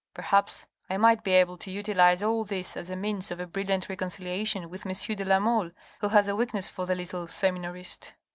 . Perhaps I might 476 THE RED AND THE BLACK be able to utilise all this as a means of a brilliant reconcilia tion with M. de la Mole, who has a weakness for the little seminarist.